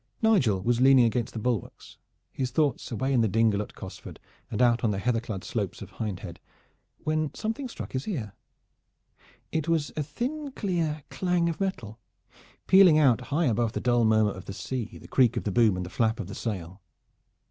Nigel was leaning against the bulwarks, his thoughts away in the dingle at Cosford and out on the heather clad slopes of Hindhead, when something struck his ear. It was a thin clear clang of metal, pealing out high above the dull murmur of the sea, the creak of the boom and the flap of the sail.